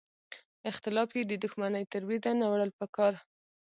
اختلاف یې د دوښمنۍ تر بریده نه وړل پکار.